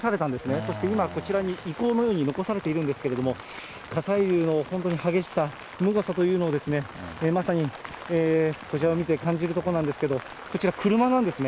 そして今、こちらに遺構のように残されているんですけれども、火砕流の本当に激しさ、むごさというのを、まさにこちらを見て感じるところなんですけれども、こちら、車なんですね。